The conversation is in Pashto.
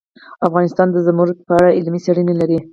افغانستان د زمرد په اړه علمي څېړنې لري.